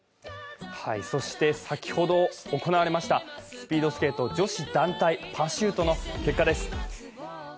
そして、先ほど行われましたスピードスケート女子団体パシュートの結果です。